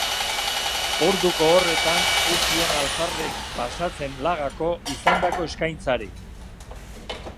Orduko horretan ez zion alferrik pasatzen lagako izandako eskaintzari.